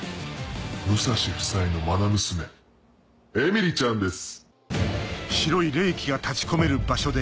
武蔵夫妻のまな娘えみりちゃんです。